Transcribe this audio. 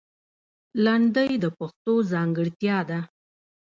لندۍ د پښتو ځانګړتیا ده